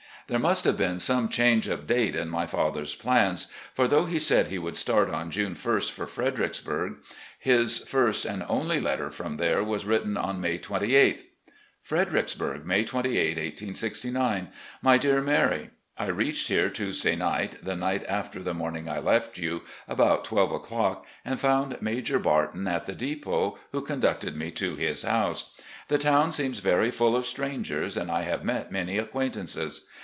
There must have been some change of date in my father's plans, for though he said he would start on June ist for Fredericksburg, his first and only letter from there was written on May 28th: "Fredericksburg, May 28, 1869. " My Dear Mary: I reached here Tuesday night, the night after the morning I left you, about twelve o'clock, LEE'S LETTER TO HIS SONS 355 and found Major Barton at the depot, who conducted me to his house. The town seems very full of strangers, and I have met many acquaintances.